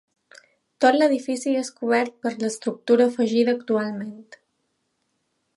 Tot l'edifici és cobert per l'estructura afegida actualment.